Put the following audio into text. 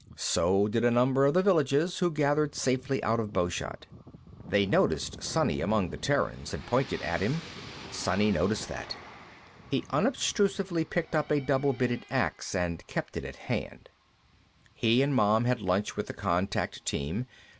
So did a number of the villagers, who gathered safely out of bowshot. They noticed Sonny among the Terrans and pointed at him. Sonny noticed that. He unobtrusively picked up a double bitted ax and kept it to hand. He and Mom had lunch with the contact team.